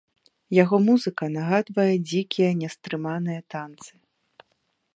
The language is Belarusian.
Яго музыка нагадвае дзікія, нястрыманыя танцы.